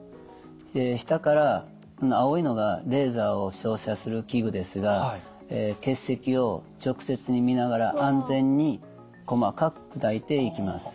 下からこの青いのがレーザーを照射する器具ですが結石を直接に見ながら安全に細かく砕いていきます。